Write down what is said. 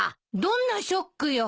どんなショックよ？